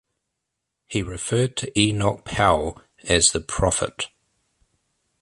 He referred to Enoch Powell as "The Prophet".